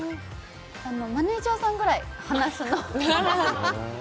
マネジャーさんぐらい、話すのは。